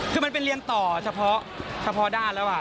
คือมันไปเรียนต่อเฉพาะด้านแล้ว